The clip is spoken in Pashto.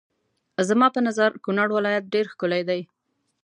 زما په نظر کونړ ولايت ډېر ښکلی دی.